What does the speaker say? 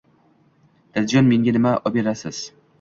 Dadajon, menga, nima oberasiz?